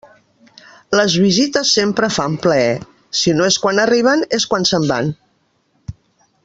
Les visites sempre fan plaer; si no és quan arriben, és quan se'n van.